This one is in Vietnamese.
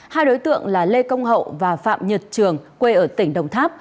hai đối tượng là lê công hậu và phạm nhật trường quê ở tỉnh đồng tháp